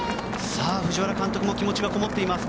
藤原監督も気持ちがこもっています。